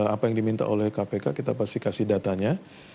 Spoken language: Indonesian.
apa yang diminta oleh kpk kita pasti kasih datanya